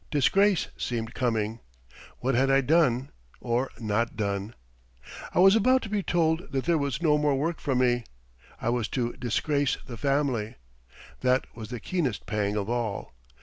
Disgrace seemed coming. What had I done or not done? I was about to be told that there was no more work for me. I was to disgrace the family. That was the keenest pang of all.